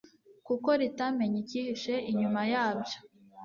kuko ritamenye icyihishe inyuma yabyo.